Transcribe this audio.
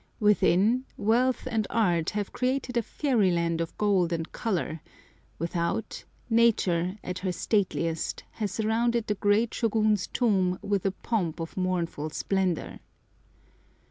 Within, wealth and art have created a fairyland of gold and colour; without, Nature, at her stateliest, has surrounded the great Shôgun's tomb with a pomp of mournful splendour.